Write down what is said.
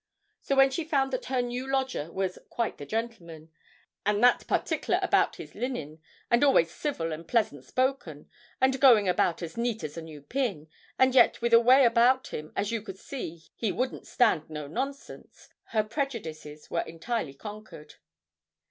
So when she found that her new lodger was 'quite the gentleman, and that partickler about his linen, and always civil and pleasant spoken, and going about as neat as a new pin, and yet with a way about him as you could see he wouldn't stand no nonsense,' her prejudices were entirely conquered.